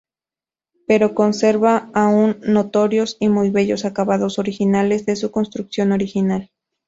Pero conserva aún notorios y muy bellos acabados originales de su construcción original.